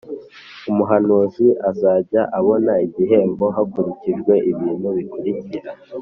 umuhanzi azajya abona igihembo hakurikijwe ibintu bikurikira: